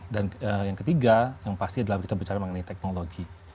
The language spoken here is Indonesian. dan yang ketiga yang pasti adalah kita berbicara mengenai teknologi